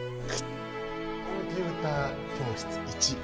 「コンピュータ教室１」。